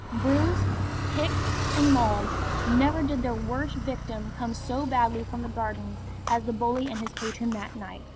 Bruised, kicked, and mauled, never did their worst victim come so badly from the Gardens as the bully and his patron that night.